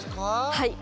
はい。